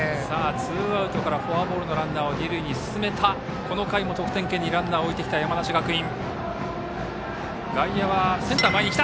ツーアウトからフォアボールのランナーを二塁に進めて、この回も得点圏にランナーを置いてきた山梨学院。